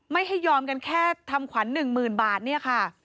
ไม่ยอมกันแค่ทำขวัญ๑๐๐๐บาทเนี่ยค่ะ